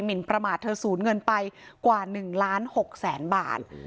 นประมาทเธอสูญเงินไปกว่า๑ล้าน๖แสนบาท